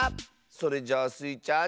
それじゃあスイちゃん